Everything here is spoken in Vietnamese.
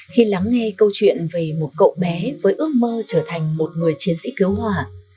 khi lắng nghe câu chuyện về một cậu bé với ước mơ trở thành một người chiến sĩ cứu hỏa